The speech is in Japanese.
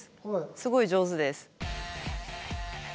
すごい上手です。